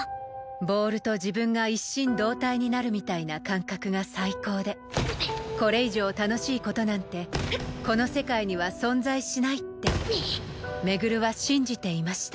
ボールと自分が一心同体になるみたいな感覚が最高でこれ以上楽しい事なんてこの世界には存在しないって廻は信じていました